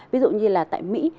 ví dụ như là tại mỹ